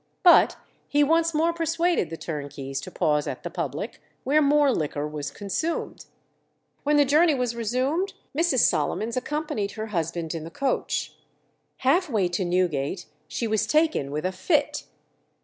But he once more persuaded the turnkeys to pause at the public, where more liquor was consumed. When the journey was resumed, Mrs. Solomons accompanied her husband in the coach. Half way to Newgate she was taken with a fit.